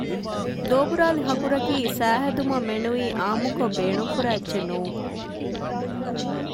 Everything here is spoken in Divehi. ދޯބުރާލި ހަކުރަކީ ސައިހެދުމަށް މެނުވީ އާންމުކޮށް ބޭނުން ކުރާ އެއްޗެއް ނޫން